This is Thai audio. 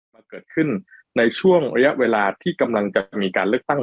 มาเกิดขึ้นในช่วงระยะเวลาที่กำลังจะมีการเลือกตั้ง